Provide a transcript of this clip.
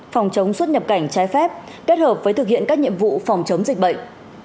phòng chống xuất nhập cảnh trái phép kết hợp với thực hiện các nhiệm vụ phòng chống dịch bệnh